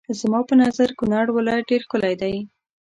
زما په نظر کونړ ولايت ډېر ښکلی دی.